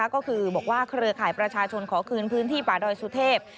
ก็คือบอกว่าเครือข่ายประชาชนขอคืนพื้นที่ป่าดอยสุเทพ